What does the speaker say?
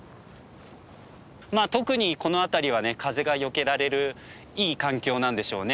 特にこの辺りはね風がよけられるいい環境なんでしょうね。